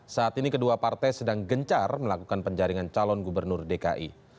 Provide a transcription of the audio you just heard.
saat ini kedua partai sedang gencar melakukan penjaringan calon gubernur dki